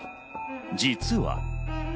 実は。